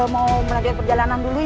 mau melakukan perjalanan dulu ya